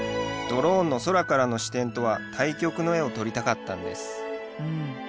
ドローンの空からの視点とは対極の画を撮りたかったんです。